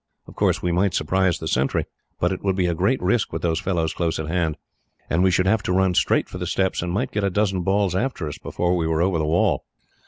Of course, we might surprise the sentry, but it would be a great risk with those fellows close at hand, and we should have to run straight for the steps, and might get a dozen balls after us, before we were over the wall."